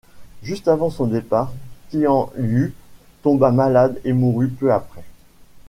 Juste avant son départ, Tianliu tomba malade et mourut peu après.